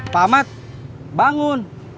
pak ahmad bangun